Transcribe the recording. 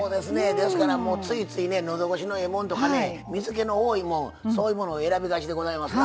ですからついついねのどごしのええもんとかね水けの多いもんそういうものを選びがちでございますが。